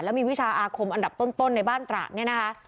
แล้วมีวิชาอาคมอันดับต้นในบ้านตระเนี่ยนะคะ